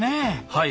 はい。